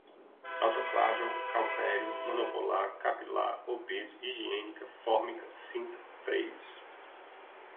autoclavável, cautério, monopolar, capilar, obeso, higiênica, fórmica, cinta, freios